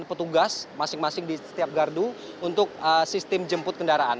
dan petugas masing masing di setiap gardu untuk sistem jemput kendaraan